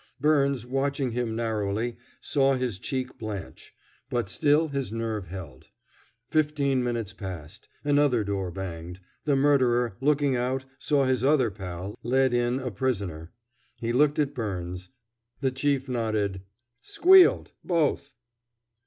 Byrnes, watching him narrowly, saw his cheek blanch; but still his nerve held. Fifteen minutes passed; another door banged. The murderer, looking out, saw his other pal led in a prisoner. He looked at Byrnes. The Chief nodded: "Squealed, both."